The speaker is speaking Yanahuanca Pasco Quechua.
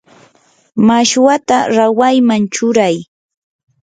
mashwata rawayman churay.